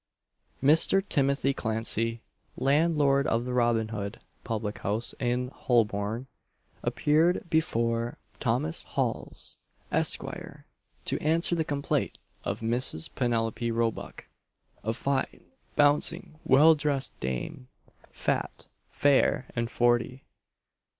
Mr. Timothy Clancey, landlord of the Robin Hood public house in Holborn, appeared before Thomas Halls, Esq., to answer the complaint of Mrs. Penelope Roebuck; a fine, bouncing, well dressed dame, fat, fair, and forty.